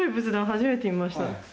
初めて見ました。